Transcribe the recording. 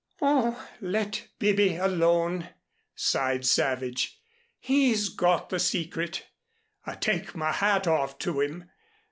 "Oh, let Bibby alone," sighed Savage. "He's got the secret. I take my hat off to him.